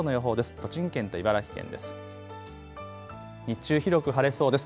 栃木県と茨城県です。